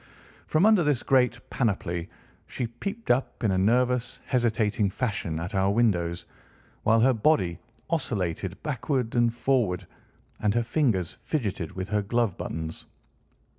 From under this great panoply she peeped up in a nervous, hesitating fashion at our windows, while her body oscillated backward and forward, and her fingers fidgeted with her glove buttons.